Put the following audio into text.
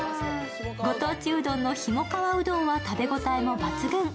御当地うどんのひもかわうどんは食べ応えも抜群。